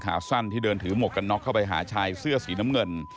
เป็นคนขี่รถจักรยานยนต์ที่เดินถือหมวกกันน็อกเข้าไปหาชายเสื้อสีน้ำเงิน